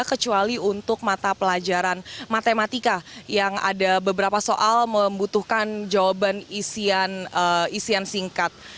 kecuali untuk mata pelajaran matematika yang ada beberapa soal membutuhkan jawaban isian singkat